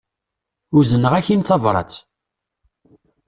Uzneɣ-ak-in tabrat.